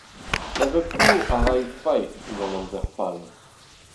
Ma Zad-kozh a rae fae ouzh an amzer fall.